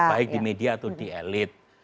baik di media atau di elit